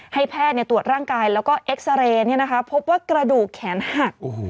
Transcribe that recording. ให้แพทย์ตรวจร่างกายแล้วก็เอ็กซาเรย์พบว่ากระดูกแขนหัก